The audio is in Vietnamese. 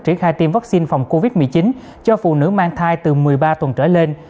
triển khai tiêm vaccine phòng covid một mươi chín cho phụ nữ mang thai từ một mươi ba tuần trở lên